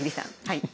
はい。